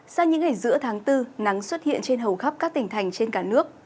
sau những ngày giữa tháng bốn nắng xuất hiện trên hầu khắp các tỉnh thành trên cả nước